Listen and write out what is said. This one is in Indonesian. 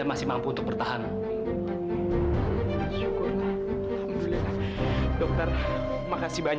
gue langsung mau kewet tantang